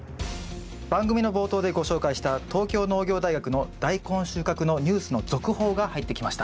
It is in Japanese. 番組の冒頭でご紹介した東京農業大学のダイコン収穫のニュースの続報が入ってきました。